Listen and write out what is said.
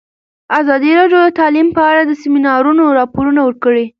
ازادي راډیو د تعلیم په اړه د سیمینارونو راپورونه ورکړي.